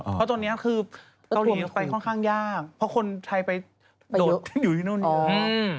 เพราะตอนนี้คือเกาหลีไปค่อนข้างยากเพราะคนไทยไปโดดอยู่ที่นู่นเยอะ